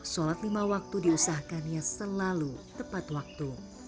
sholat lima waktu diusahakannya selalu tepat waktu